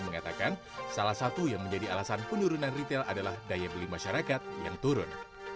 mengatakan salah satu yang menjadi alasan penurunan retail adalah daya beli masyarakat yang turun